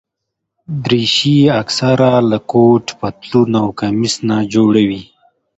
دریشي اکثره له کوټ، پتلون او کمیس نه جوړه وي.